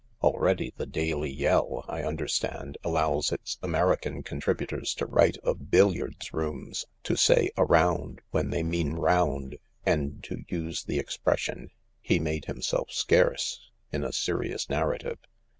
Already the Daily Yell, I understand, allows its American contributors to write of billiards rooms, to say 'around' when they mean 'round,' and to use the expression, 'he made himself scarce,' in a serious narrative.